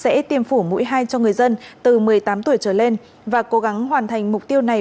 sẽ tiêm phủ mũi hai cho người dân từ một mươi tám tuổi trở lên và cố gắng hoàn thành mục tiêu này